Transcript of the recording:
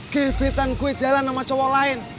gibitan gue jalan sama cowok lain